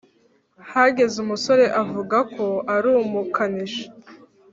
hageze umusore avugako arumukanishi